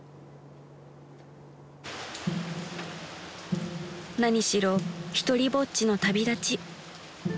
［何しろひとりぼっちの旅立ち］